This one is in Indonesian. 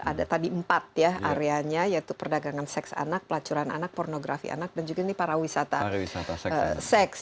ada tadi empat ya areanya yaitu perdagangan seks anak pelacuran anak pornografi anak dan juga ini para wisata seks